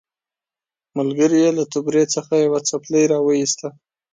ملګري یې له توبرې څخه یوه څپلۍ راوایستله.